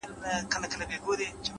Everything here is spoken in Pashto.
ساده فکر ستونزې کوچنۍ کوي؛